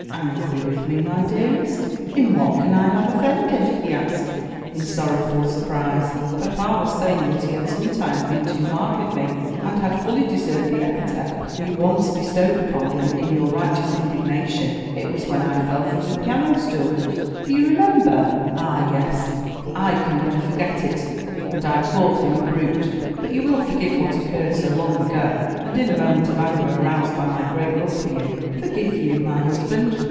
"Angry with me, my dearest? In what can I have offended?" he asked in sorrowful surprise. "Papa was saying that he had sometimes been too hard with me, and had fully deserved the epithet you once bestowed upon him in your righteous indignation. It was when I fell from the piano stool; do you remember?" "Ah, yes, I can never forget it. And I called him a brute. But you will forgive what occurred so long ago? and in a moment of anger aroused by my great love for you?" "Forgive you, my husband?